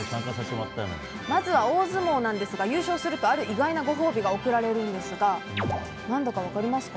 まずは大相撲ですが優勝するとある意外なご褒美が贈られるんですが何だか分かりますか？